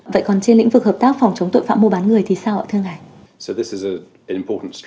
vậy còn trên lĩnh vực hợp tác phòng chống tội phạm mua bán người thì sao ạ thưa anh